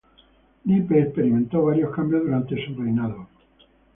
Lippe experimentó varios cambios durante su reinado.